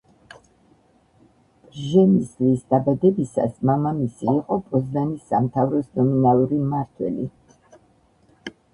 პრჟემისლის დაბადებისას მამამისი იყო პოზნანის სამთავროს ნომინალური მმართველი.